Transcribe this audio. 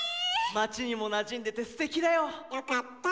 町にもなじんでてすてきだよ。よかった。